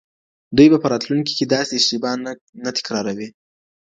دوی به په راتلونکي کي داسې اشتباه نه تکراروي.